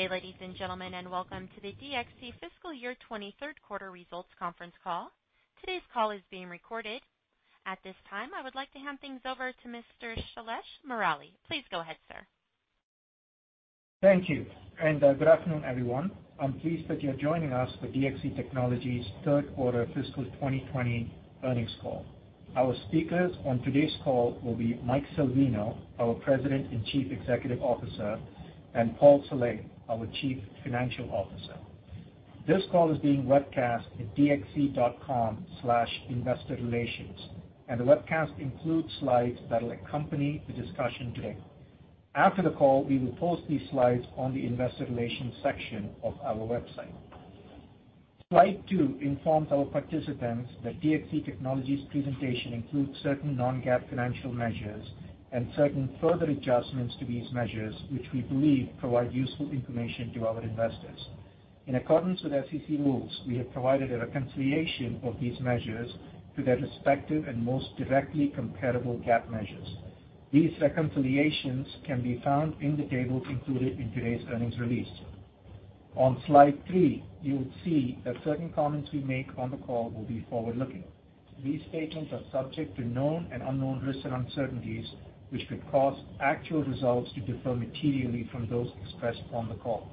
Good day, ladies and gentlemen, and welcome to the DXC Fiscal Year 2023 Third Quarter Results Conference Call. Today's call is being recorded. At this time, I would like to hand things over to Mr. Shailesh Murali. Please go ahead, sir. Thank you, and good afternoon, everyone. I'm pleased that you're joining us for DXC Technology's Third Quarter Fiscal 2020 Earnings Call. Our speakers on today's call will be Mike Salvino, our President and Chief Executive Officer, and Paul Saleh, our Chief Financial Officer. This call is being webcast at dxc.com/investor-relations, and the webcast includes slides that will accompany the discussion today. After the call, we will post these slides on the Investor Relations section of our website. Slide 2 informs our participants that DXC Technology's presentation includes certain non-GAAP financial measures and certain further adjustments to these measures, which we believe provide useful information to our investors. In accordance with SEC rules, we have provided a reconciliation of these measures to their respective and most directly comparable GAAP measures. These reconciliations can be found in the tables included in today's earnings release. On slide 3, you will see that certain comments we make on the call will be forward-looking. These statements are subject to known and unknown risks and uncertainties, which could cause actual results to differ materially from those expressed on the call.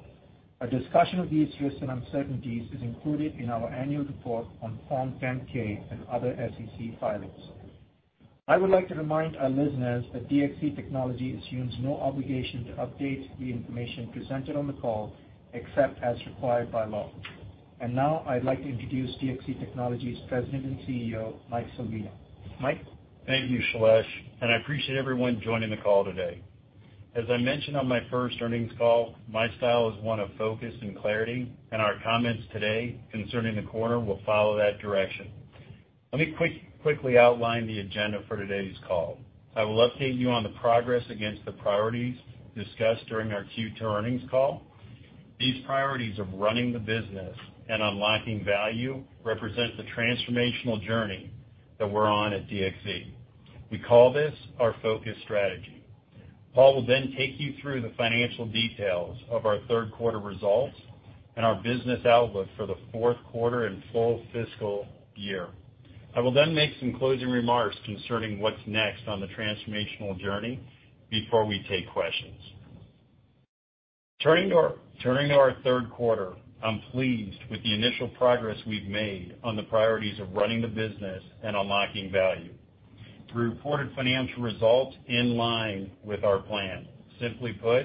A discussion of these risks and uncertainties is included in our annual report on Form 10-K and other SEC filings. I would like to remind our listeners that DXC Technology assumes no obligation to update the information presented on the call except as required by law. And now, I'd like to introduce DXC Technology's President and CEO, Mike Salvino. Mike. Thank you, Shailesh, and I appreciate everyone joining the call today. As I mentioned on my first earnings call, my style is one of focus and clarity, and our comments today concerning the quarter will follow that direction. Let me quickly outline the agenda for today's call. I will update you on the progress against the priorities discussed during our Q2 earnings call. These priorities of running the business and unlocking value represent the transformational journey that we're on at DXC. We call this our Focus Strategy. Paul will then take you through the financial details of our third quarter results and our business outlook for the fourth quarter and full fiscal year. I will then make some closing remarks concerning what's next on the transformational journey before we take questions. Turning to our third quarter, I'm pleased with the initial progress we've made on the priorities of running the business and unlocking value. The reported financial results are in line with our plan. Simply put,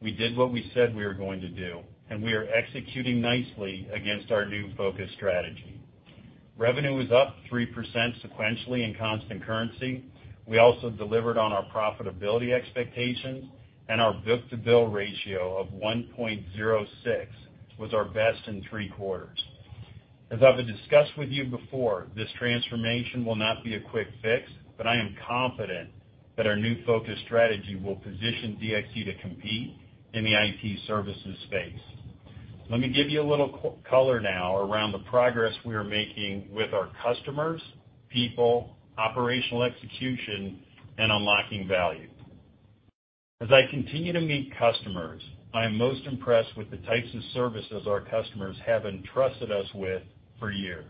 we did what we said we were going to do, and we are executing nicely against our new Focus Strategy. Revenue is up 3% sequentially in constant currency. We also delivered on our profitability expectations, and our book-to-bill ratio of 1.06 was our best in three quarters. As I've discussed with you before, this transformation will not be a quick fix, but I am confident that our new Focus Strategy will position DXC to compete in the IT services space. Let me give you a little color now around the progress we are making with our customers, people, operational execution, and unlocking value. As I continue to meet customers, I am most impressed with the types of services our customers have entrusted us with for years.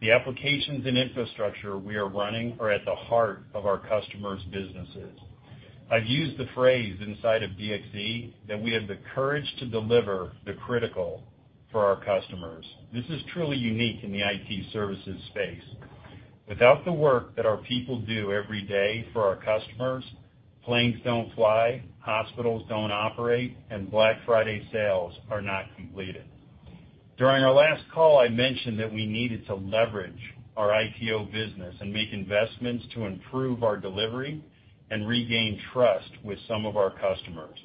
The applications and infrastructure we are running are at the heart of our customers' businesses. I've used the phrase inside of DXC that we have the courage to deliver the critical for our customers. This is truly unique in the IT services space. Without the work that our people do every day for our customers, planes don't fly, hospitals don't operate, and Black Friday sales are not completed. During our last call, I mentioned that we needed to leverage our ITO business and make investments to improve our delivery and regain trust with some of our customers.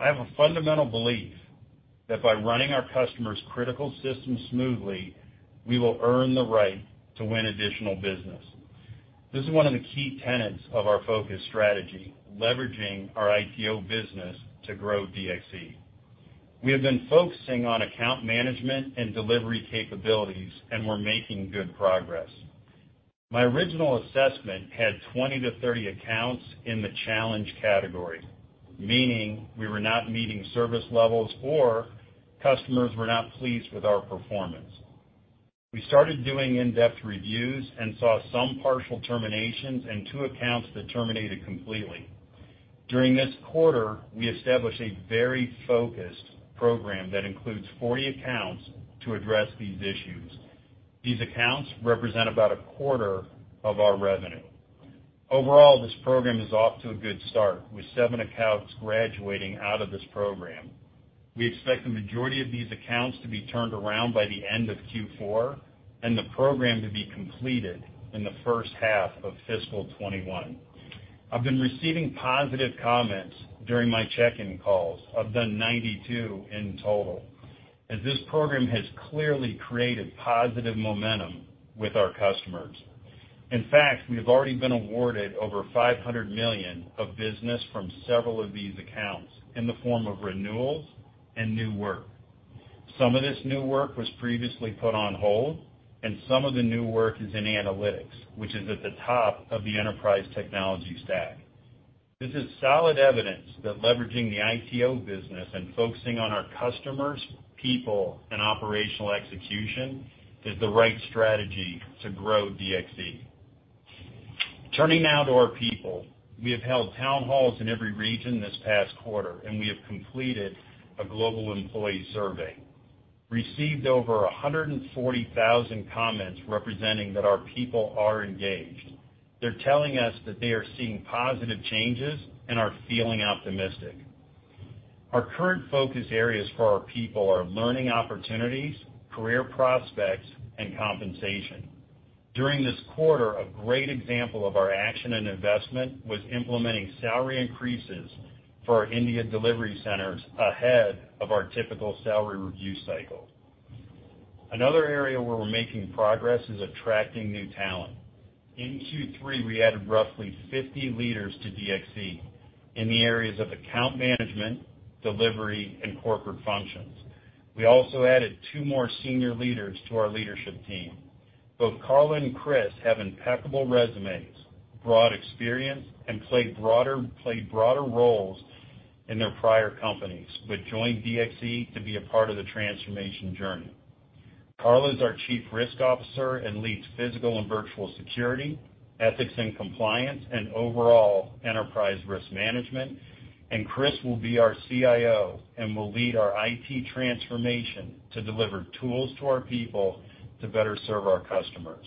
I have a fundamental belief that by running our customers' critical systems smoothly, we will earn the right to win additional business. This is one of the key tenets of our Focus Strategy, leveraging our ITO business to grow DXC. We have been focusing on account management and delivery capabilities, and we're making good progress. My original assessment had 20 to 30 accounts in the challenge category, meaning we were not meeting service levels or customers were not pleased with our performance. We started doing in-depth reviews and saw some partial terminations and two accounts that terminated completely. During this quarter, we established a very focused program that includes 40 accounts to address these issues. These accounts represent about a quarter of our revenue. Overall, this program is off to a good start, with seven accounts graduating out of this program. We expect the majority of these accounts to be turned around by the end of Q4 and the program to be completed in the first half of fiscal 2021. I've been receiving positive comments during my check-in calls. I've done 92 in total, as this program has clearly created positive momentum with our customers. In fact, we have already been awarded over $500 million of business from several of these accounts in the form of renewals and new work. Some of this new work was previously put on hold, and some of the new work is in analytics, which is at the top of the enterprise technology stack. This is solid evidence that leveraging the ITO business and focusing on our customers, people, and operational execution is the right strategy to grow DXC. Turning now to our people, we have held town halls in every region this past quarter, and we have completed a global employee survey. We received over 140,000 comments representing that our people are engaged. They're telling us that they are seeing positive changes and are feeling optimistic. Our current focus areas for our people are learning opportunities, career prospects, and compensation. During this quarter, a great example of our action and investment was implementing salary increases for our India delivery centers ahead of our typical salary review cycle. Another area where we're making progress is attracting new talent. In Q3, we added roughly 50 leaders to DXC in the areas of account management, delivery, and corporate functions. We also added two more senior leaders to our leadership team. Both Carla and Chris have impeccable resumes, broad experience, and played broader roles in their prior companies, but joined DXC to be a part of the transformation journey. Carla is our Chief Risk Officer and leads physical and virtual security, ethics and compliance, and overall enterprise risk management, and Chris will be our CIO and will lead our IT transformation to deliver tools to our people to better serve our customers.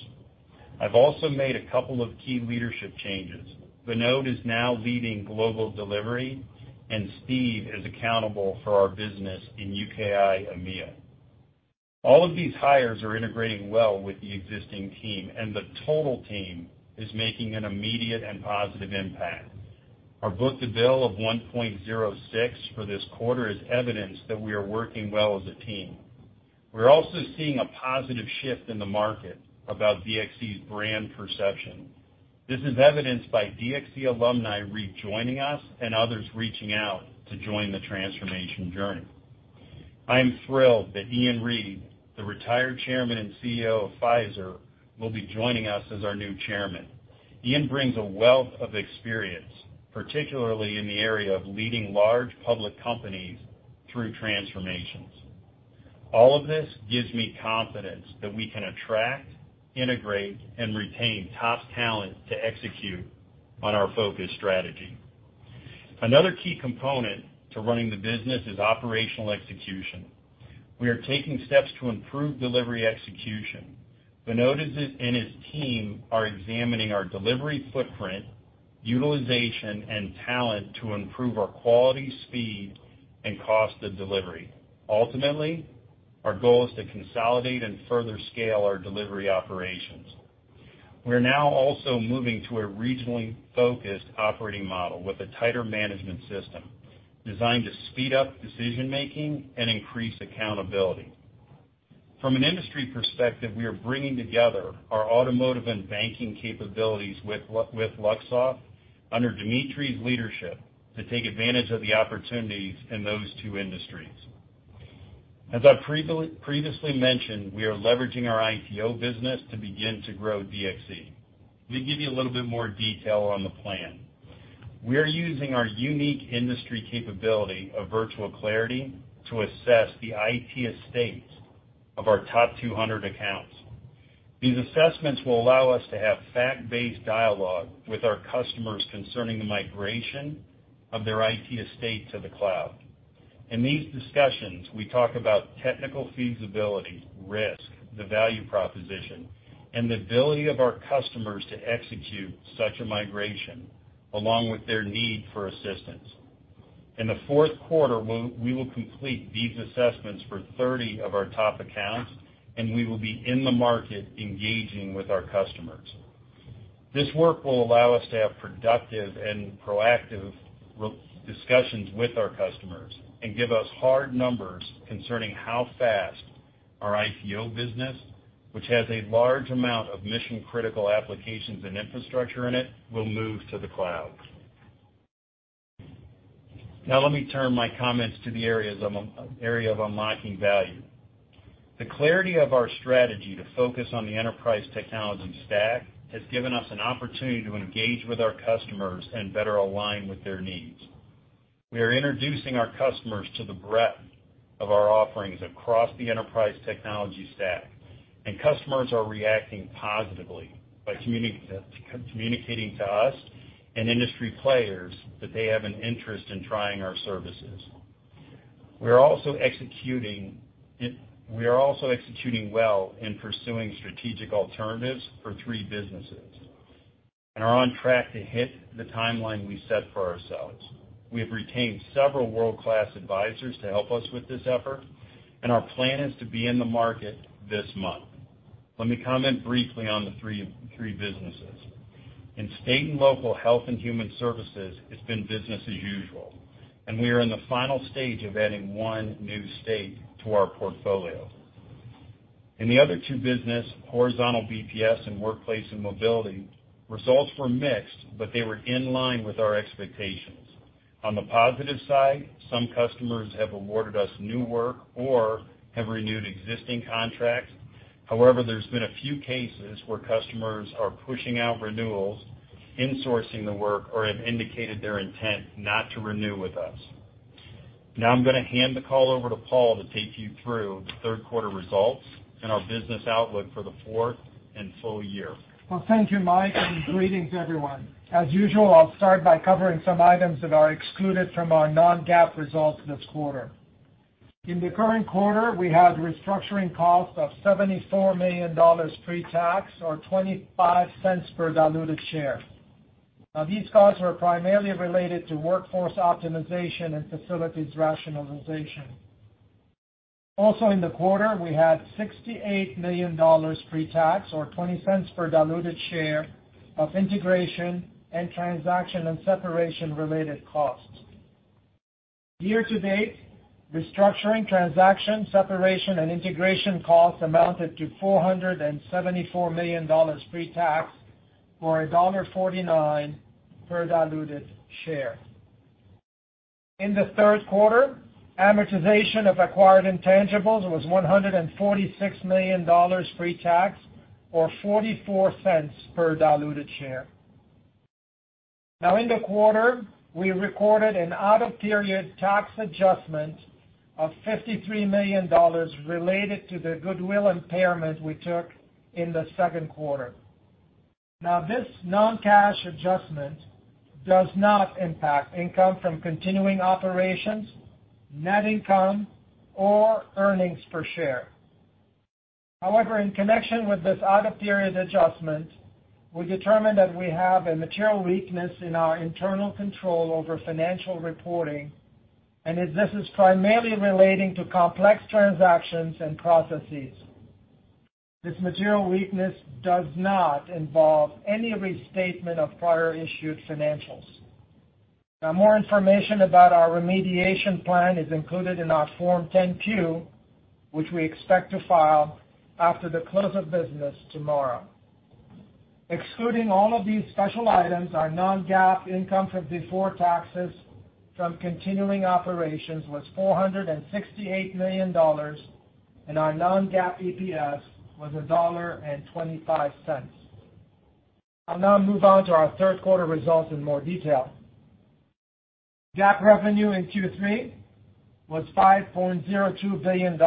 I've also made a couple of key leadership changes. Vinod is now leading global delivery, and Steve is accountable for our business in UKIIMEA. All of these hires are integrating well with the existing team, and the total team is making an immediate and positive impact. Our book-to-bill of 1.06 for this quarter is evidence that we are working well as a team. We're also seeing a positive shift in the market about DXC's brand perception. This is evidenced by DXC alumni rejoining us and others reaching out to join the transformation journey. I am thrilled that Ian Read, the retired chairman and CEO of Pfizer, will be joining us as our new chairman. Ian brings a wealth of experience, particularly in the area of leading large public companies through transformations. All of this gives me confidence that we can attract, integrate, and retain top talent to execute on our Focus Strategy. Another key component to running the business is operational execution. We are taking steps to improve delivery execution. Vinod and his team are examining our delivery footprint, utilization, and talent to improve our quality, speed, and cost of delivery. Ultimately, our goal is to consolidate and further scale our delivery operations. We're now also moving to a regionally focused operating model with a tighter management system designed to speed up decision-making and increase accountability. From an industry perspective, we are bringing together our automotive and banking capabilities with Luxoft under Dmitry's leadership to take advantage of the opportunities in those two industries. As I previously mentioned, we are leveraging our ITO business to begin to grow DXC. Let me give you a little bit more detail on the plan. We are using our unique industry capability of Virtual Clarity to assess the IT estate of our top 200 accounts. These assessments will allow us to have fact-based dialogue with our customers concerning the migration of their IT estate to the cloud. In these discussions, we talk about technical feasibility, risk, the value proposition, and the ability of our customers to execute such a migration, along with their need for assistance. In the fourth quarter, we will complete these assessments for 30 of our top accounts, and we will be in the market engaging with our customers. This work will allow us to have productive and proactive discussions with our customers and give us hard numbers concerning how fast our ITO business, which has a large amount of mission-critical applications and infrastructure in it, will move to the cloud. Now, let me turn my comments to the area of unlocking value. The clarity of our strategy to focus on the Enterprise Technology Stack has given us an opportunity to engage with our customers and better align with their needs. We are introducing our customers to the breadth of our offerings across the Enterprise Technology Stack, and customers are reacting positively by communicating to us and industry players that they have an interest in trying our services. We are also executing well in pursuing strategic alternatives for three businesses and are on track to hit the timeline we set for ourselves. We have retained several world-class advisors to help us with this effort, and our plan is to be in the market this month. Let me comment briefly on the three businesses. In State and Local Health and Human Services, it's been business as usual, and we are in the final stage of adding one new state to our portfolio. In the other two businesses, Horizontal BPS and Workplace and Mobility, results were mixed, but they were in line with our expectations. On the positive side, some customers have awarded us new work or have renewed existing contracts. However, there's been a few cases where customers are pushing out renewals, insourcing the work, or have indicated their intent not to renew with us. Now, I'm going to hand the call over to Paul to take you through the third quarter results and our business outlook for the fourth and full year. Well, thank you, Mike, and greetings everyone. As usual, I'll start by covering some items that are excluded from our non-GAAP results this quarter. In the current quarter, we had restructuring costs of $74 million pre-tax or $0.25 per diluted share. Now, these costs were primarily related to workforce optimization and facilities rationalization. Also, in the quarter, we had $68 million pre-tax or $0.20 per diluted share of integration and transaction and separation-related costs. Year to date, restructuring, transaction, separation, and integration costs amounted to $474 million pre-tax or $1.49 per diluted share. In the third quarter, amortization of acquired intangibles was $146 million pre-tax or $0.44 per diluted share. Now, in the quarter, we recorded an out-of-period tax adjustment of $53 million related to the goodwill impairment we took in the second quarter. Now, this non-cash adjustment does not impact income from continuing operations, net income, or earnings per share. However, in connection with this out-of-period adjustment, we determined that we have a material weakness in our internal control over financial reporting, and this is primarily relating to complex transactions and processes. This material weakness does not involve any restatement of prior issued financials. Now, more information about our remediation plan is included in our Form 10-Q, which we expect to file after the close of business tomorrow. Excluding all of these special items, our non-GAAP income from before taxes from continuing operations was $468 million, and our non-GAAP EPS was $1.25. I'll now move on to our third quarter results in more detail. GAAP revenue in Q3 was $5.02 billion.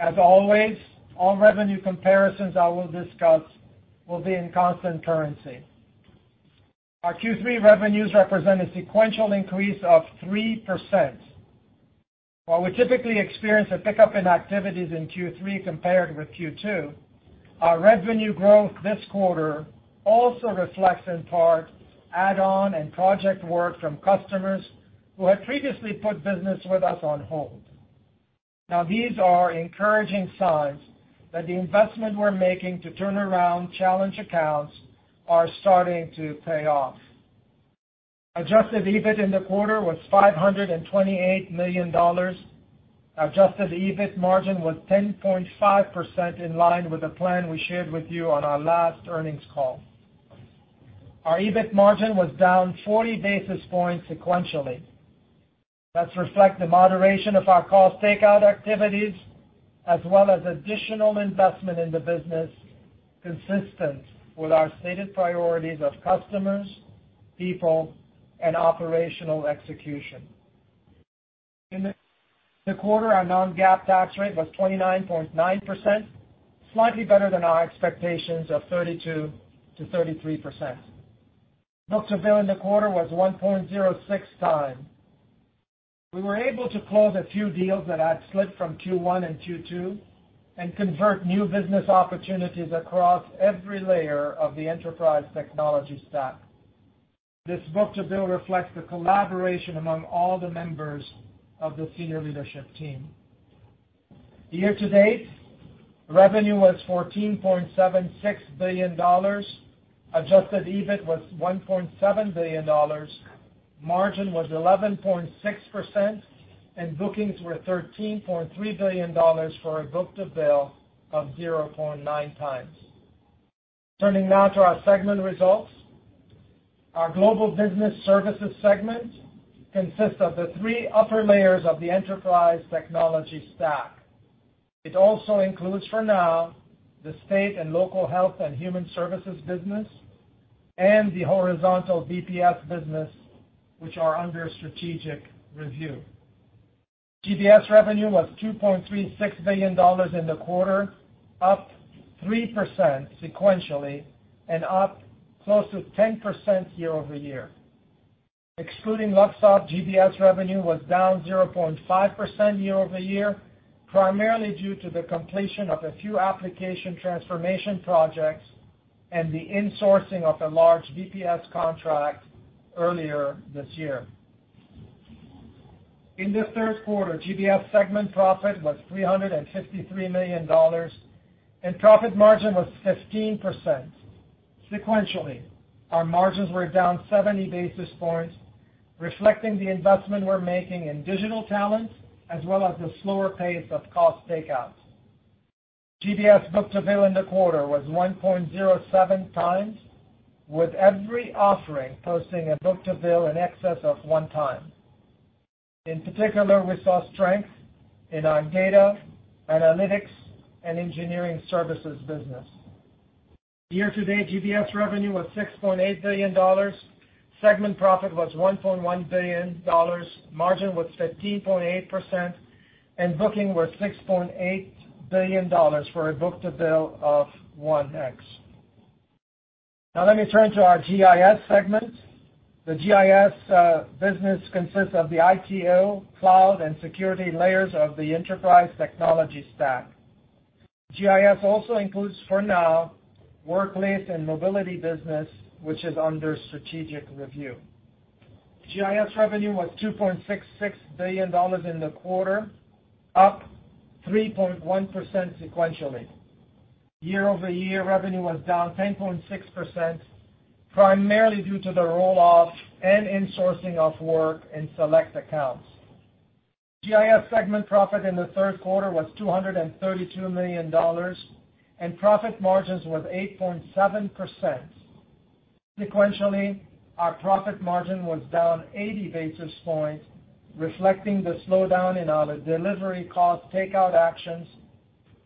As always, all revenue comparisons I will discuss will be in constant currency. Our Q3 revenues represent a sequential increase of 3%. While we typically experience a pickup in activities in Q3 compared with Q2, our revenue growth this quarter also reflects in part add-on and project work from customers who had previously put business with us on hold. Now, these are encouraging signs that the investment we're making to turn around challenge accounts is starting to pay off. Adjusted EBIT in the quarter was $528 million. Adjusted EBIT margin was 10.5% in line with the plan we shared with you on our last earnings call. Our EBIT margin was down 40 basis points sequentially. That's reflecting the moderation of our cost takeout activities as well as additional investment in the business consistent with our stated priorities of customers, people, and operational execution. In the quarter, our non-GAAP tax rate was 29.9%, slightly better than our expectations of 32%-33%. book-to-bill in the quarter was 1.06 times. We were able to close a few deals that had slipped from Q1 and Q2 and convert new business opportunities across every layer of the enterprise technology stack. This book-to-bill reflects the collaboration among all the members of the senior leadership team. Year to date, revenue was $14.76 billion. Adjusted EBIT was $1.7 billion. Margin was 11.6%, and bookings were $13.3 billion for a book-to-bill of 0.9 times. Turning now to our segment results, our global business services segment consists of the three upper layers of the enterprise technology stack. It also includes for now the state and local health and human services business and the Horizontal BPS business, which are under strategic review. GBS revenue was $2.36 billion in the quarter, up 3% sequentially and up close to 10% year over year. Excluding Luxoft, GBS revenue was down 0.5% year over year, primarily due to the completion of a few application transformation projects and the insourcing of a large BPS contract earlier this year. In the third quarter, GBS segment profit was $353 million, and profit margin was 15%. Sequentially, our margins were down 70 basis points, reflecting the investment we're making in digital talent as well as the slower pace of cost take outs. GBS book-to-bill in the quarter was 1.07 times, with every offering posting a book-to-bill in excess of one time. In particular, we saw strength in our Data, Analytics, and Engineering Services business. Year to date, GBS revenue was $6.8 billion. Segment profit was $1.1 billion. Margin was 15.8%, and booking was $6.8 billion for a book-to-bill of 1x. Now, let me turn to our GIS segment. The GIS business consists of the ITO, cloud, and security layers of the enterprise technology stack. GIS also includes for now Workplace and Mobility business, which is under strategic review. GIS revenue was $2.66 billion in the quarter, up 3.1% sequentially. Year over year, revenue was down 10.6%, primarily due to the roll-off and insourcing of work in select accounts. GIS segment profit in the third quarter was $232 million, and profit margins were 8.7%. Sequentially, our profit margin was down 80 basis points, reflecting the slowdown in our delivery cost takeout actions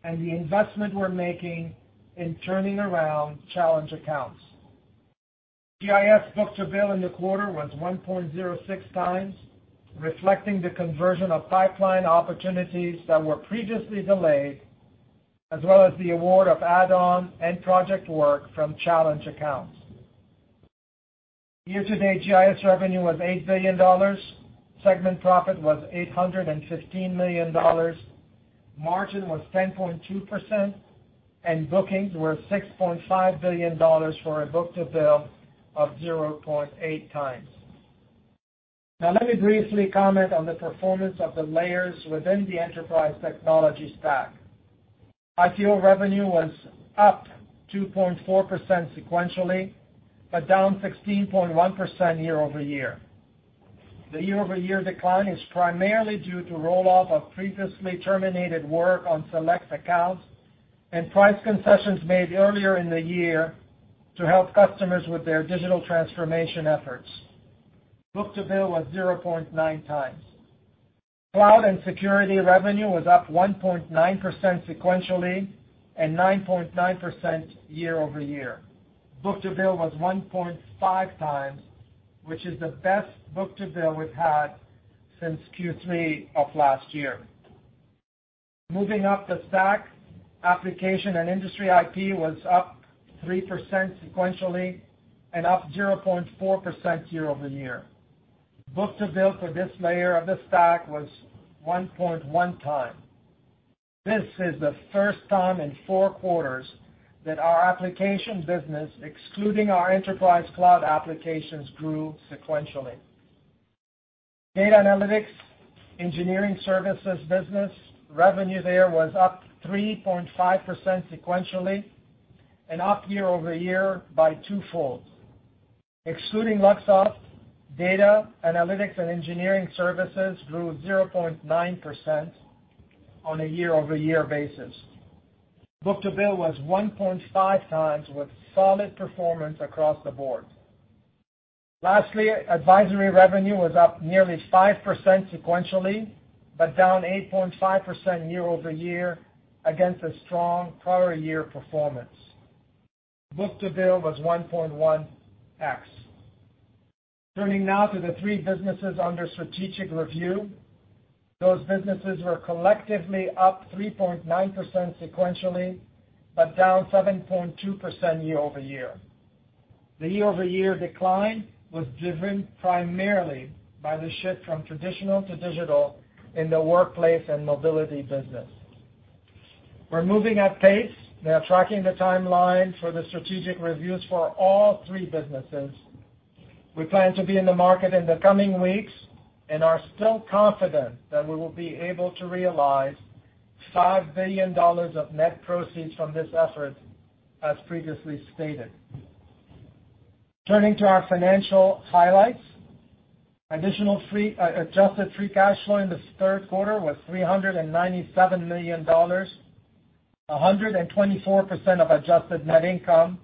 and the investment we're making in turning around challenge accounts. GIS book-to-bill in the quarter was 1.06 times, reflecting the conversion of pipeline opportunities that were previously delayed, as well as the award of add-on and project work from challenge accounts. Year to date, GIS revenue was $8 billion. Segment profit was $815 million. Margin was 10.2%, and bookings were $6.5 billion for a book-to-bill of 0.8 times. Now, let me briefly comment on the performance of the layers within the Enterprise Technology Stack. ITO revenue was up 2.4% sequentially, but down 16.1% year over year. The year-over-year decline is primarily due to roll-off of previously terminated work on select accounts and price concessions made earlier in the year to help customers with their digital transformation efforts. Book-to-bill was 0.9 times. Cloud and Security revenue was up 1.9% sequentially and 9.9% year over year. Book-to-bill was 1.5 times, which is the best book-to-bill we've had since Q3 of last year. Moving up the stack, Application and Industry IP was up 3% sequentially and up 0.4% year over year. Book-to-bill for this layer of the stack was 1.1 time. This is the first time in four quarters that our application business, excluding our enterprise cloud applications, grew sequentially. Data analytics, engineering services business revenue there was up 3.5% sequentially and up year over year by twofold. Excluding Luxoft, data analytics and engineering services grew 0.9% on a year-over-year basis. Book-to-bill was 1.5 times with solid performance across the board. Lastly, Advisory revenue was up nearly 5% sequentially but down 8.5% year over year against a strong prior year performance. Book-to-bill was 1.1X. Turning now to the three businesses under strategic review, those businesses were collectively up 3.9% sequentially but down 7.2% year over year. The year-over-year decline was driven primarily by the shift from traditional to digital in the Workplace and Mobility business. We're moving at pace. They are tracking the timeline for the strategic reviews for all three businesses. We plan to be in the market in the coming weeks and are still confident that we will be able to realize $5 billion of net proceeds from this effort, as previously stated. Turning to our financial highlights, additional adjusted free cash flow in the third quarter was $397 million, 124% of adjusted net income,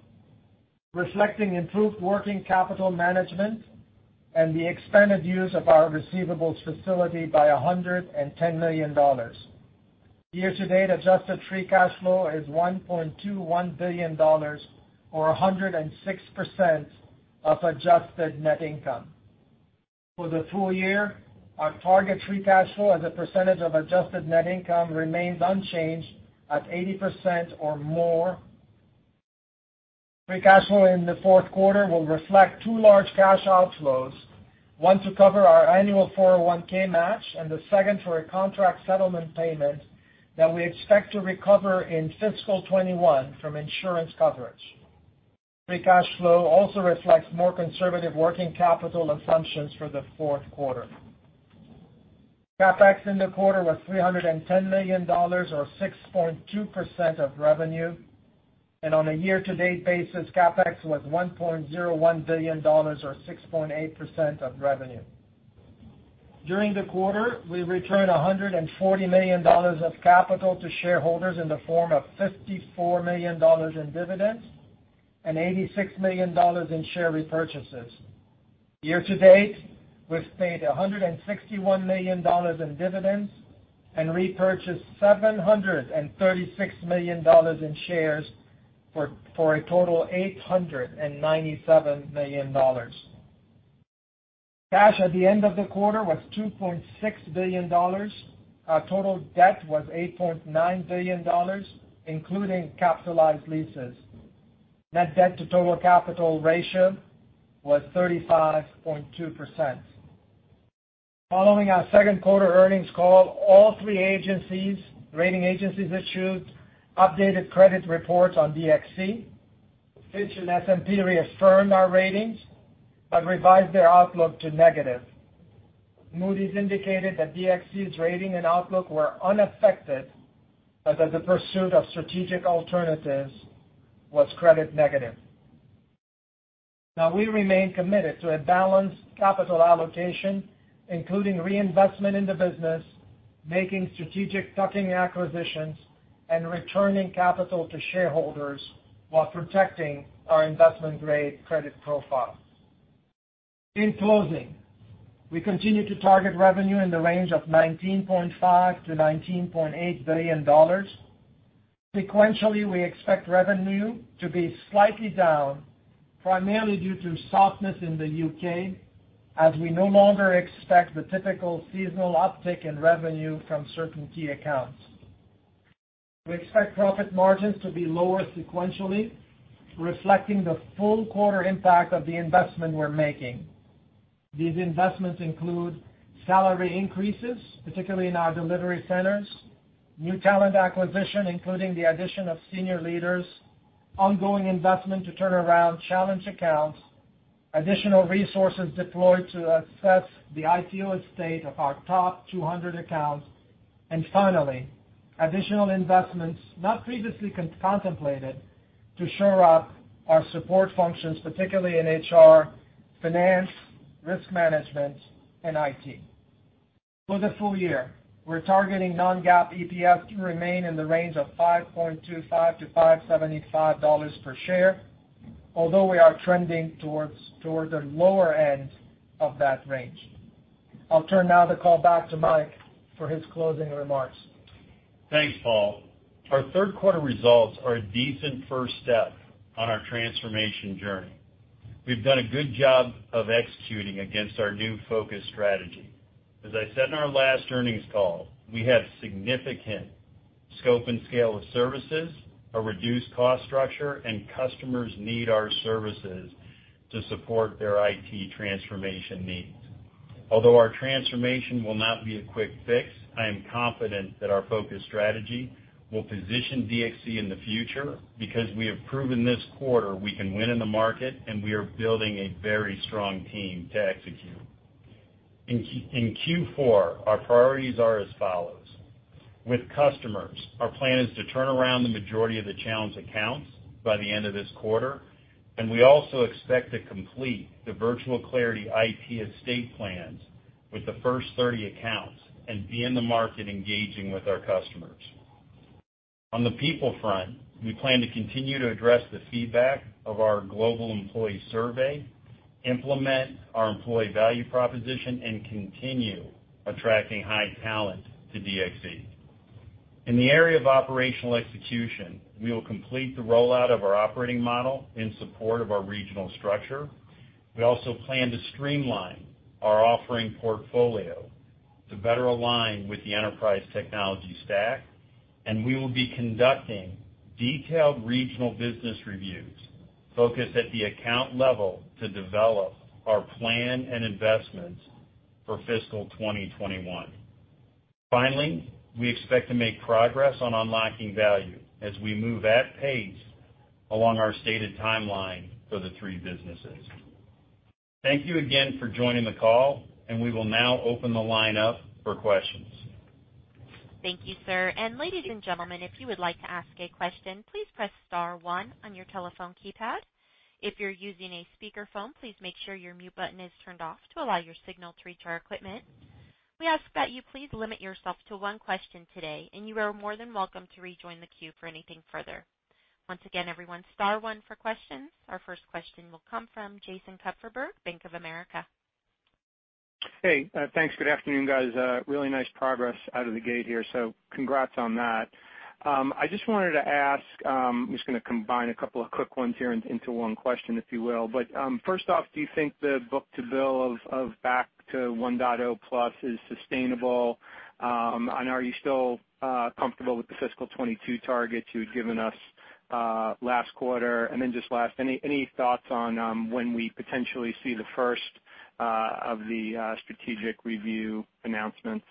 reflecting improved working capital management and the expanded use of our receivables facility by $110 million. Year to date, adjusted free cash flow is $1.21 billion or 106% of adjusted net income. For the full year, our target free cash flow as a percentage of adjusted net income remains unchanged at 80% or more. Free cash flow in the fourth quarter will reflect two large cash outflows, one to cover our annual 401(k) match and the second for a contract settlement payment that we expect to recover in fiscal 2021 from insurance coverage. Free cash flow also reflects more conservative working capital assumptions for the fourth quarter. CapEx in the quarter was $310 million or 6.2% of revenue, and on a year-to-date basis, CapEx was $1.01 billion or 6.8% of revenue. During the quarter, we returned $140 million of capital to shareholders in the form of $54 million in dividends and $86 million in share repurchases. Year-to-date, we've paid $161 million in dividends and repurchased $736 million in shares for a total of $897 million. Cash at the end of the quarter was $2.6 billion. Our total debt was $8.9 billion, including capitalized leases. Net debt to total capital ratio was 35.2%. Following our second quarter earnings call, all three rating agencies issued updated credit reports on DXC. Fitch and S&P reaffirmed our ratings but revised their outlook to negative. Moody's indicated that DXC's rating and outlook were unaffected as the pursuit of strategic alternatives was credit negative. Now, we remain committed to a balanced capital allocation, including reinvestment in the business, making strategic tuck-in acquisitions, and returning capital to shareholders while protecting our investment-grade credit profile. In closing, we continue to target revenue in the range of $19.5-$19.8 billion. Sequentially, we expect revenue to be slightly down, primarily due to softness in the U.K., as we no longer expect the typical seasonal uptick in revenue from certain key accounts. We expect profit margins to be lower sequentially, reflecting the full quarter impact of the investment we're making. These investments include salary increases, particularly in our delivery centers, new talent acquisition, including the addition of senior leaders, ongoing investment to turn around challenge accounts, additional resources deployed to assess the ITO state of our top 200 accounts, and finally, additional investments not previously contemplated to shore up our support functions, particularly in HR, finance, risk management, and IT. For the full year, we're targeting non-GAAP EPS to remain in the range of $5.25-$5.75 per share, although we are trending towards the lower end of that range. I'll turn now the call back to Mike for his closing remarks. Thanks, Paul. Our third quarter results are a decent first step on our transformation journey. We've done a good job of executing against our new Focus Strategy. As I said in our last earnings call, we have significant scope and scale of services, a reduced cost structure, and customers need our services to support their IT transformation needs. Although our transformation will not be a quick fix, I am confident that our Focus Strategy will position DXC in the future because we have proven this quarter we can win in the market, and we are building a very strong team to execute. In Q4, our priorities are as follows. With customers, our plan is to turn around the majority of the challenge accounts by the end of this quarter, and we also expect to complete the Virtual Clarity IT estate plans with the first 30 accounts and be in the market engaging with our customers. On the people front, we plan to continue to address the feedback of our global employee survey, implement our employee value proposition, and continue attracting high talent to DXC. In the area of operational execution, we will complete the rollout of our operating model in support of our regional structure. We also plan to streamline our offering portfolio to better align with the enterprise technology stack, and we will be conducting detailed regional business reviews focused at the account level to develop our plan and investments for fiscal 2021. Finally, we expect to make progress on unlocking value as we move at pace along our stated timeline for the three businesses. Thank you again for joining the call, and we will now open the line up for questions. Thank you, sir. Ladies and gentlemen, if you would like to ask a question, please press star one on your telephone keypad. If you're using a speakerphone, please make sure your mute button is turned off to allow your signal to reach our equipment. We ask that you please limit yourself to one question today, and you are more than welcome to rejoin the queue for anything further. Once again, everyone, star one for questions. Our first question will come from Jason Kupferberg, Bank of America. Hey. Thanks. Good afternoon, guys. Really nice progress out of the gate here, so congrats on that. I just wanted to ask-I'm just going to combine a couple of quick ones here into one question, if you will. But first off, do you think the Book-to-bill of back to 1.0 plus is sustainable? Are you still comfortable with the fiscal 2022 target you had given us last quarter? Just last, any thoughts on when we potentially see the first of the strategic review announcements?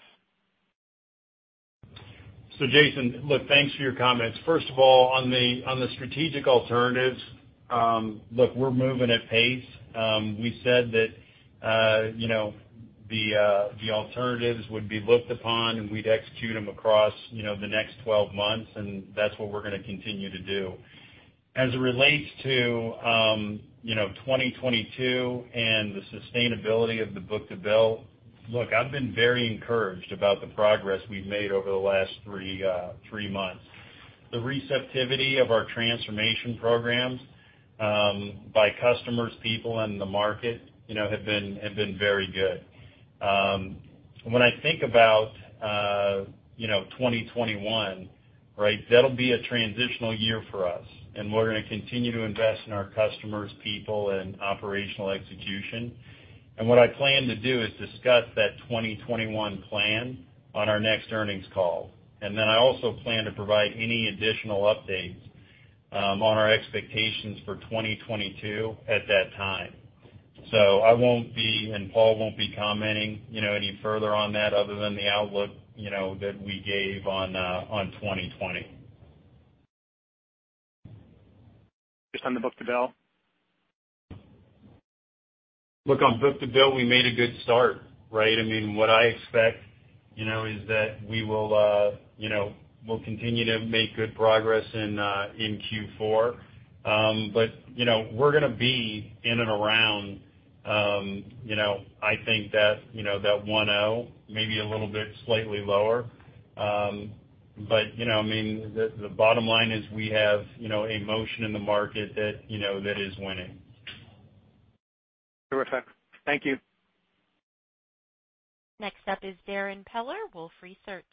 Jason, look, thanks for your comments. First of all, on the strategic alternatives, look, we're moving at pace. We said that the alternatives would be looked upon, and we'd execute them across the next 12 months, and that's what we're going to continue to do. As it relates to 2022 and the sustainability of the Book-to-bill, look, I've been very encouraged about the progress we've made over the last three months. The receptivity of our transformation programs by customers, people, and the market have been very good. When I think about 2021, right, that'll be a transitional year for us, and we're going to continue to invest in our customers, people, and operational execution. And what I plan to do is discuss that 2021 plan on our next earnings call. And then I also plan to provide any additional updates on our expectations for 2022 at that time. So I won't be, and Paul won't be commenting any further on that other than the outlook that we gave on 2020. Just on the Book-to-bill? Look, on Book-to-bill, we made a good start, right? I mean, what I expect is that we will continue to make good progress in Q4. But we're going to be in and around, I think, that 1.0, maybe a little bit slightly lower. But I mean, the bottom line is we have a motion in the market that is winning. Terrific. Thank you. Next up is Darrin Peller, Wolfe Research.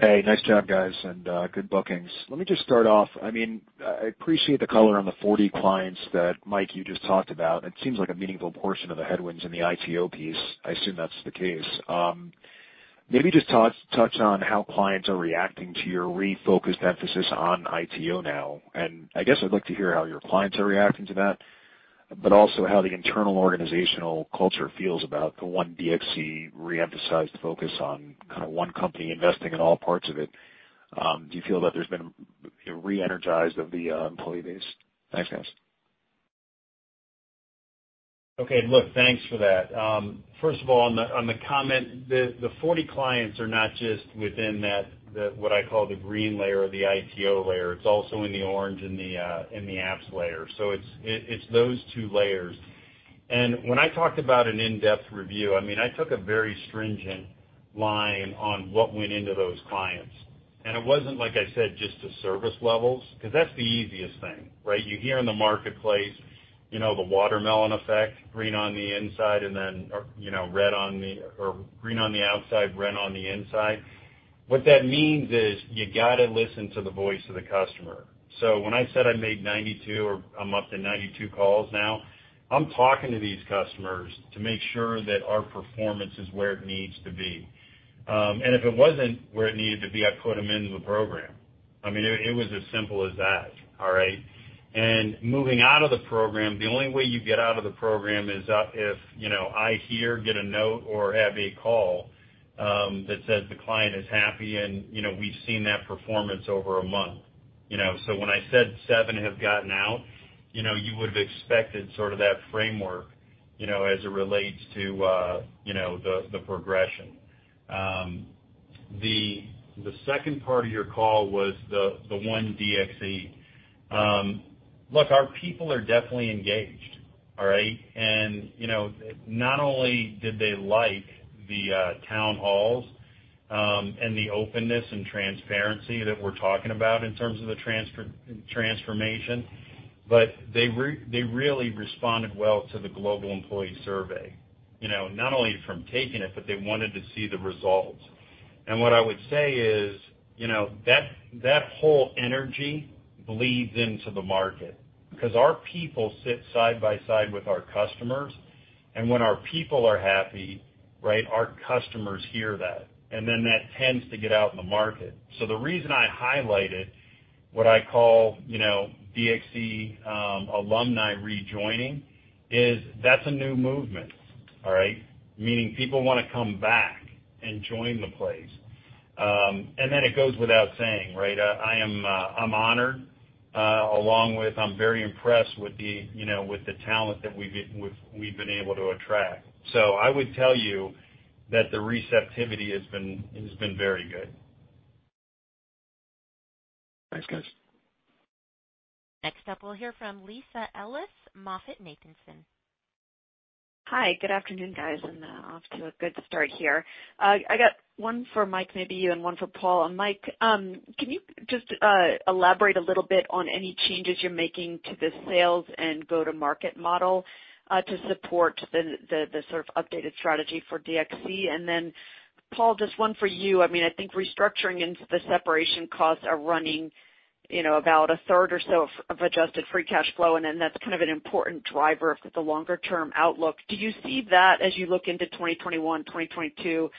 Hey, nice job, guys, and good bookings. Let me just start off. I mean, I appreciate the color on the 40 clients that Mike, you just talked about. It seems like a meaningful portion of the headwinds in the ITO piece. I assume that's the case. Maybe just touch on how clients are reacting to your refocused emphasis on ITO now. And I guess I'd like to hear how your clients are reacting to that, but also how the internal organizational culture feels about the One DXC reemphasized focus on kind of one company investing in all parts of it. Do you feel that there's been a re-energization of the employee base? Thanks, guys. Okay. Look, thanks for that. First of all, on the comment, the 40 clients are not just within what I call the green layer or the ITO layer. It's also in the orange and the apps layer. So it's those two layers. When I talked about an in-depth review, I mean, I took a very stringent line on what went into those clients. It wasn't, like I said, just the service levels because that's the easiest thing, right? You hear in the marketplace the watermelon effect, green on the inside, and then red on the—or green on the outside, red on the inside. What that means is you got to listen to the voice of the customer. When I said I made 92 or I'm up to 92 calls now, I'm talking to these customers to make sure that our performance is where it needs to be. If it wasn't where it needed to be, I put them into the program. I mean, it was as simple as that, all right? And moving out of the program, the only way you get out of the program is if I hear, get a note, or have a call that says the client is happy and we've seen that performance over a month. So when I said seven have gotten out, you would have expected sort of that framework as it relates to the progression. The second part of your call was the One DXC. Look, our people are definitely engaged, all right? And not only did they like the town halls and the openness and transparency that we're talking about in terms of the transformation, but they really responded well to the global employee survey. Not only from taking it, but they wanted to see the results. And what I would say is that whole energy bleeds into the market because our people sit side by side with our customers. And when our people are happy, right, our customers hear that. And then that tends to get out in the market. So the reason I highlighted what I call DXC alumni rejoining is that's a new movement, all right? Meaning people want to come back and join the place. And then it goes without saying, right? I'm honored, along with I'm very impressed with the talent that we've been able to attract. So I would tell you that the receptivity has been very good. Thanks, guys. Next up, we'll hear from Lisa Ellis, MoffettNathanson. Hi. Good afternoon, guys, and off to a good start here. I got one for Mike, maybe you, and one for Paul. Mike, can you just elaborate a little bit on any changes you're making to the sales and go-to-market model to support the sort of updated strategy for DXC? And then Paul, just one for you. I mean, I think restructuring and the separation costs are running about a third or so of adjusted free cash flow, and then that's kind of an important driver of the longer-term outlook. Do you see that as you look into 2021, 2022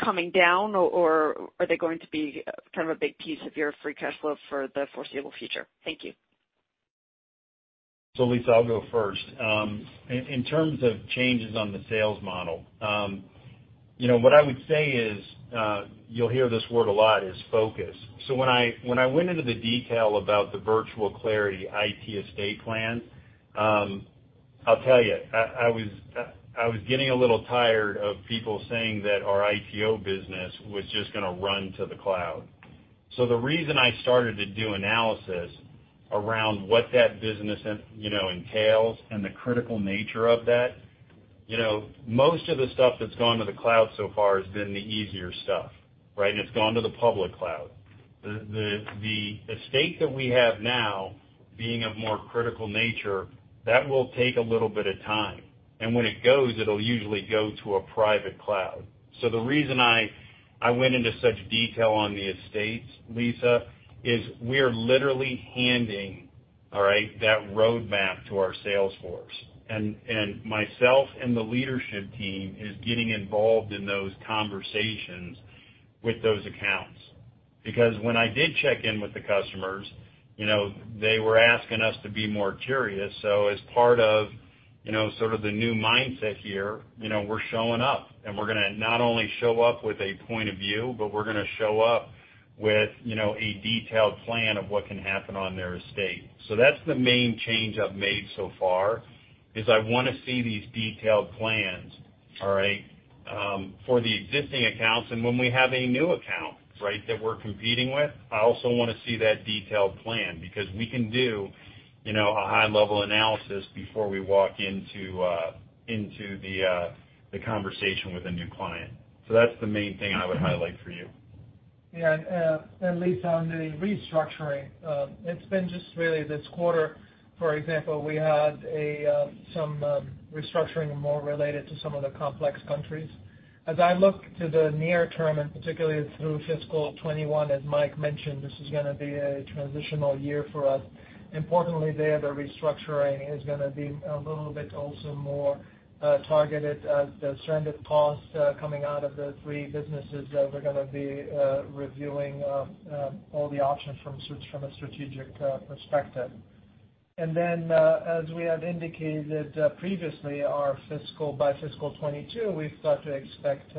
coming down, or are they going to be kind of a big piece of your free cash flow for the foreseeable future? Thank you. So Lisa, I'll go first. In terms of changes on the sales model, what I would say is you'll hear this word a lot is focus. So when I went into the detail about the Virtual Clarity IT estate plan, I'll tell you, I was getting a little tired of people saying that our ITO business was just going to run to the cloud. So the reason I started to do analysis around what that business entails and the critical nature of that, most of the stuff that's gone to the cloud so far has been the easier stuff, right? And it's gone to the public cloud. The estate that we have now, being of more critical nature, that will take a little bit of time. And when it goes, it'll usually go to a private cloud. So the reason I went into such detail on the estates, Lisa, is we are literally handing, all right, that roadmap to our sales force. And myself and the leadership team are getting involved in those conversations with those accounts. Because when I did check in with the customers, they were asking us to be more curious. So as part of sort of the new mindset here, we're showing up, and we're going to not only show up with a point of view, but we're going to show up with a detailed plan of what can happen on their estate. So that's the main change I've made so far is I want to see these detailed plans, all right, for the existing accounts. And when we have a new account, right, that we're competing with, I also want to see that detailed plan because we can do a high-level analysis before we walk into the conversation with a new client. So that's the main thing I would highlight for you. Yeah. And Lisa, on the restructuring, it's been just really this quarter. For example, we had some restructuring more related to some of the complex countries. As I look to the near term, and particularly through fiscal 21, as Mike mentioned, this is going to be a transitional year for us. Importantly, there, the restructuring is going to be a little bit also more targeted as the severance costs coming out of the three businesses that we're going to be reviewing all the options from a strategic perspective. And then, as we have indicated previously, our fiscal by fiscal 22, we've started to expect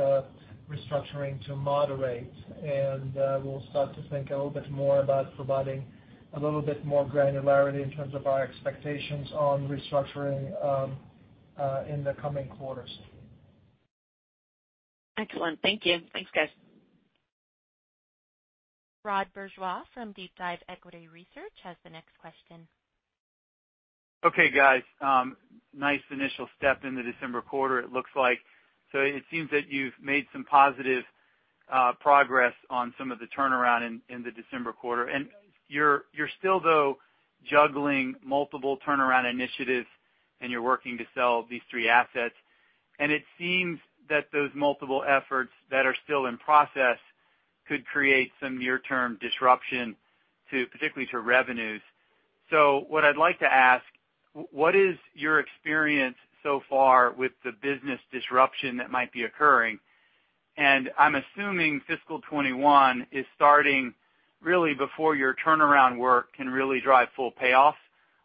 restructuring to moderate, and we'll start to think a little bit more about providing a little bit more granularity in terms of our expectations on restructuring in the coming quarters. Excellent. Thank you. Thanks, guys. Rod Bourgeois from DeepDive Equity Research has the next question. Okay, guys. Nice initial step in the December quarter, it looks like. So it seems that you've made some positive progress on some of the turnaround in the December quarter. And you're still, though, juggling multiple turnaround initiatives, and you're working to sell these three assets. And it seems that those multiple efforts that are still in process could create some near-term disruption, particularly to revenues. So what I'd like to ask, what is your experience so far with the business disruption that might be occurring? And I'm assuming fiscal 2021 is starting really before your turnaround work can really drive full payoffs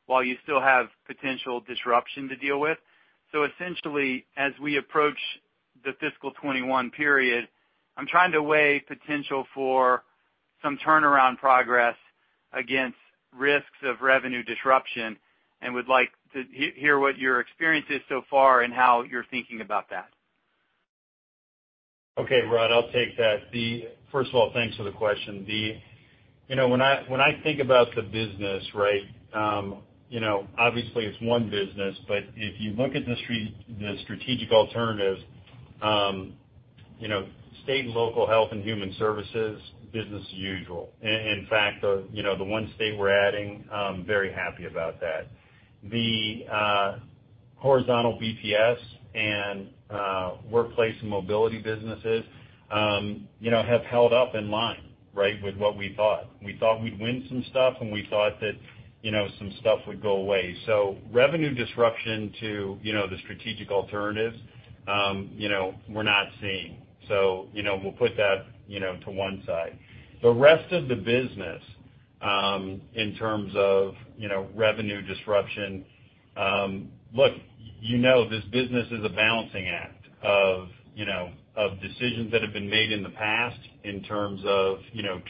while you still have potential disruption to deal with. So essentially, as we approach the fiscal 2021 period, I'm trying to weigh potential for some turnaround progress against risks of revenue disruption and would like to hear what your experience is so far and how you're thinking about that. Okay, Rod, I'll take that. First of all, thanks for the question. When I think about the business, right, obviously, it's one business, but if you look at the strategic alternatives, state and local health and human services, business as usual. In fact, the one state we're adding, very happy about that. The Horizontal BPS and Workplace and Mobility businesses have held up in line, right, with what we thought. We thought we'd win some stuff, and we thought that some stuff would go away. So revenue disruption to the strategic alternatives, we're not seeing. So we'll put that to one side. The rest of the business in terms of revenue disruption, look, you know this business is a balancing act of decisions that have been made in the past in terms of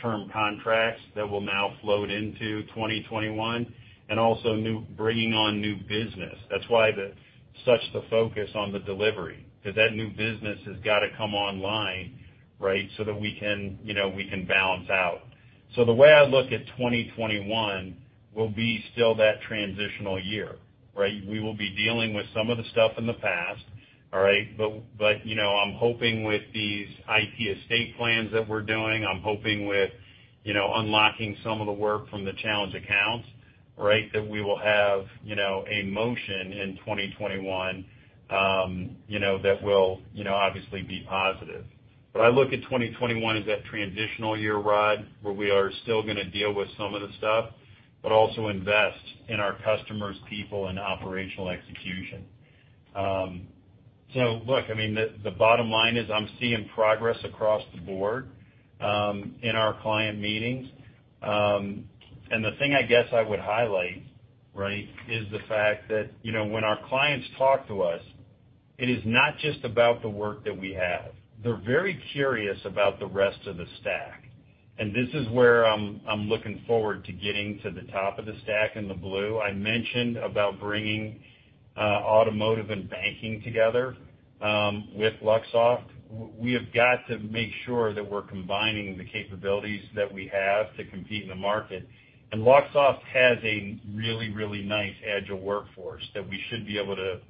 term contracts that will now float into 2021 and also bringing on new business. That's why such the focus on the delivery, because that new business has got to come online, right, so that we can balance out. So the way I look at 2021 will be still that transitional year, right? We will be dealing with some of the stuff in the past, all right? But I'm hoping with these IT estate plans that we're doing, I'm hoping with unlocking some of the work from the challenge accounts, right, that we will have a motion in 2021 that will obviously be positive. But I look at 2021 as that transitional year, Rod, where we are still going to deal with some of the stuff, but also invest in our customers, people, and operational execution. So look, I mean, the bottom line is I'm seeing progress across the board in our client meetings. And the thing I guess I would highlight, right, is the fact that when our clients talk to us, it is not just about the work that we have. They're very curious about the rest of the stack. And this is where I'm looking forward to getting to the top of the stack in the cloud. I mentioned about bringing automotive and banking together with Luxoft. We have got to make sure that we're combining the capabilities that we have to compete in the market. And Luxoft has a really, really nice agile workforce that we should be able to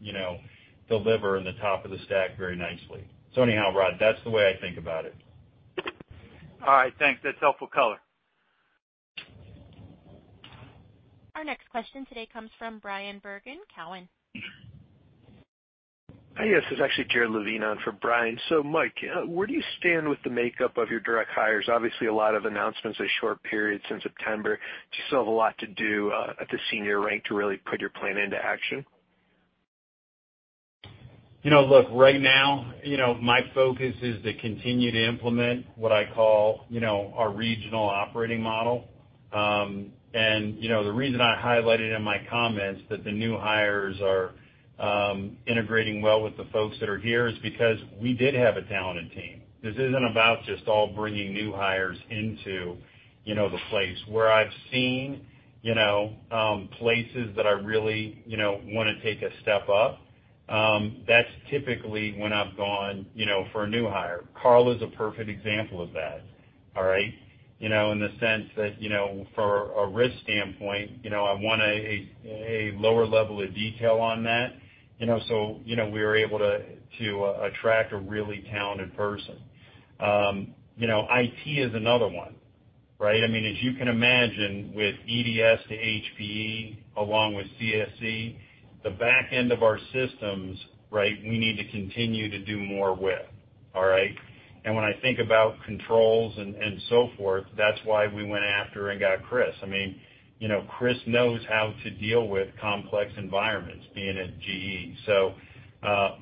deliver in the top of the stack very nicely. So anyhow, Rod, that's the way I think about it. All right. Thanks. That's helpful color. Our next question today comes from Bryan Bergin, Cowen. Hi, yes. This is actually Jared Levine on for Bryan. So Mike, where do you stand with the makeup of your direct hires? Obviously, a lot of announcements in short periods in September. Do you still have a lot to do at the senior rank to really put your plan into action? Look, right now, my focus is to continue to implement what I call our regional operating model. And the reason I highlighted in my comments that the new hires are integrating well with the folks that are here is because we did have a talented team. This isn't about just all bringing new hires into the place. Where I've seen places that I really want to take a step up, that's typically when I've gone for a new hire. Carla is a perfect example of that, all right? In the sense that for a risk standpoint, I want a lower level of detail on that so we are able to attract a really talented person. IT is another one, right? I mean, as you can imagine, with EDS to HPE along with CSC, the back end of our systems, right, we need to continue to do more with, all right? And when I think about controls and so forth, that's why we went after and got Chris. I mean, Chris knows how to deal with complex environments, being a GE. So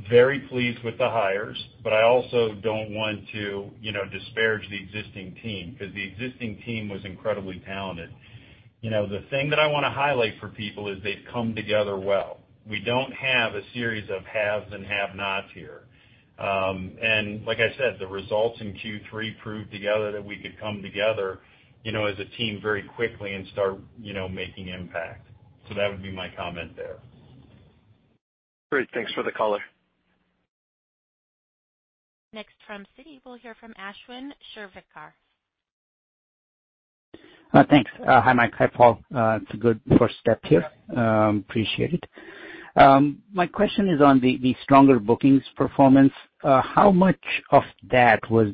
very pleased with the hires, but I also don't want to disparage the existing team because the existing team was incredibly talented. The thing that I want to highlight for people is they've come together well. We don't have a series of haves and have-nots here. And like I said, the results in Q3 proved together that we could come together as a team very quickly and start making impact. So that would be my comment there. Great. Thanks for the color. Next from Citi, we'll hear from Ashwin Shirvaikar. Thanks. Hi, Mike. Hi, Paul. It's a good first step here. Appreciate it. My question is on the stronger bookings performance. How much of that was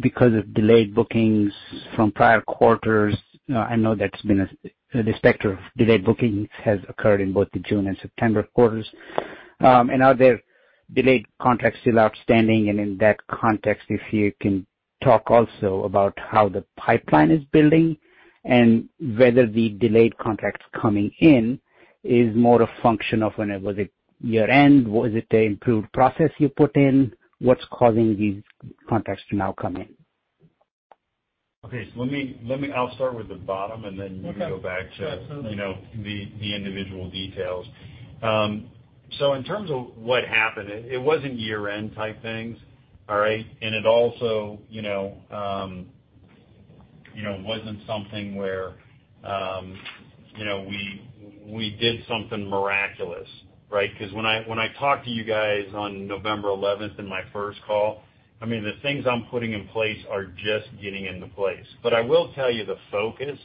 because of delayed bookings from prior quarters? I know that's been across the spectrum of delayed bookings has occurred in both the June and September quarters. And are there delayed contracts still outstanding? And in that context, if you can talk also about how the pipeline is building and whether the delayed contracts coming in is more a function of, was it year-end? Was it an improved process you put in? What's causing these contracts to now come in? Okay. So let me, I'll start with the bottom, and then you can go back to the individual details. So in terms of what happened, it wasn't year-end type things, all right? And it also wasn't something where we did something miraculous, right? Because when I talked to you guys on November 11th in my first call, I mean, the things I'm putting in place are just getting into place. But I will tell you the focus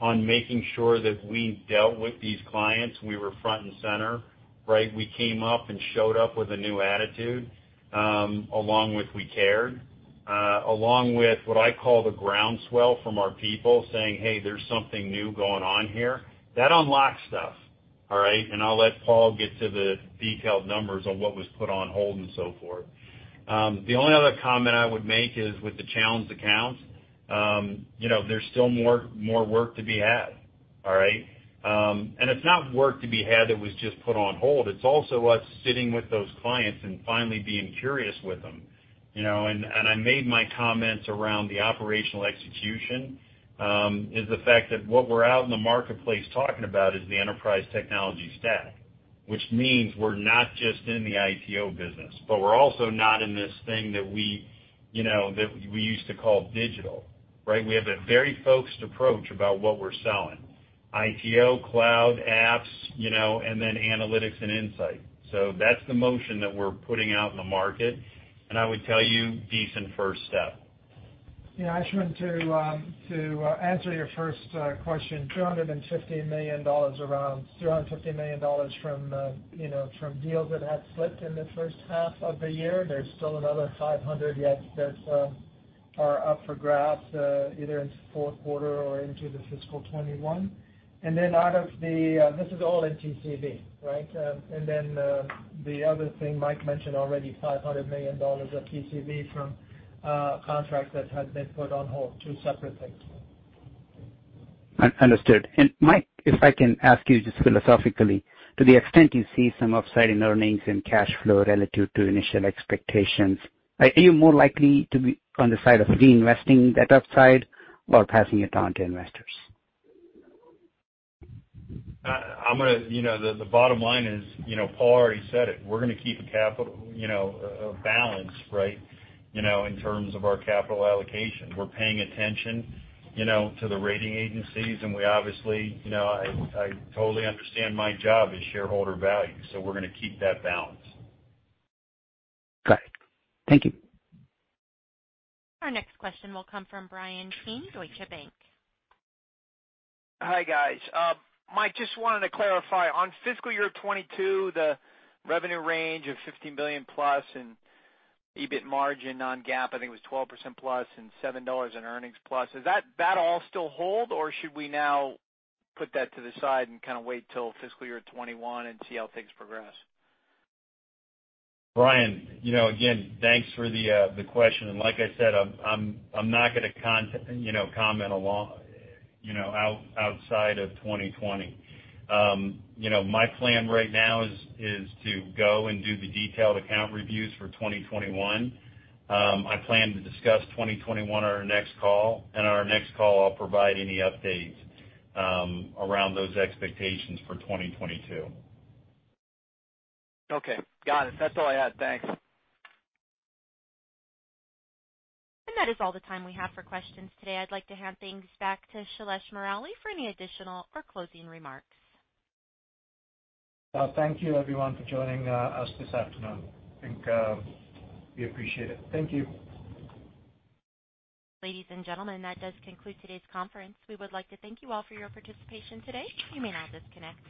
on making sure that we dealt with these clients, we were front and center, right? We came up and showed up with a new attitude along with we cared, along with what I call the groundswell from our people saying, "Hey, there's something new going on here." That unlocks stuff, all right? And I'll let Paul get to the detailed numbers on what was put on hold and so forth. The only other comment I would make is with the challenge accounts, there's still more work to be had, all right? And it's not work to be had that was just put on hold. It's also us sitting with those clients and finally being curious with them. And I made my comments around the operational execution is the fact that what we're out in the marketplace talking about is the Enterprise Technology Stack, which means we're not just in the ITO business, but we're also not in this thing that we used to call digital, right? We have a very focused approach about what we're selling: ITO, cloud, apps, and then analytics and insight. So that's the motion that we're putting out in the market. And I would tell you decent first step. Yeah. I just wanted to answer your first question. $250 million around $250 million from deals that had slipped in the first half of the year. There's still another 500 yet that are up for grabs either in the fourth quarter or into the fiscal 2021. And then out of the this is all in TCV, right? And then the other thing Mike mentioned already, $500 million of TCV from contracts that had been put on hold, two separate things. Understood. And Mike, if I can ask you just philosophically, to the extent you see some upside in earnings and cash flow relative to initial expectations, are you more likely to be on the side of reinvesting that upside or passing it on to investors? I'm going to the bottom line is, Paul already said it. We're going to keep a capital balance, right, in terms of our capital allocation. We're paying attention to the rating agencies, and we obviously, I totally understand my job is shareholder value. So we're going to keep that balance. Got it. Thank you. Our next question will come from Bryan Keane, Deutsche Bank. Hi, guys. Mike, just wanted to clarify. On fiscal year 2022, the revenue range of $15 billion plus and EBIT margin non-GAAP, I think it was 12% plus and $7 in earnings plus. Is that all still hold, or should we now put that to the side and kind of wait till fiscal year 2021 and see how things progress? Brian, again, thanks for the question. And like I said, I'm not going to comment outside of 2020. My plan right now is to go and do the detailed account reviews for 2021. I plan to discuss 2021 on our next call. And on our next call, I'll provide any updates around those expectations for 2022. Okay. Got it. That's all I had. Thanks. And that is all the time we have for questions today. I'd like to hand things back to Shailesh Murali for any additional or closing remarks. Thank you, everyone, for joining us this afternoon. I think we appreciate it. Thank you. Ladies and gentlemen, that does conclude today's conference. We would like to thank you all for your participation today. You may now disconnect.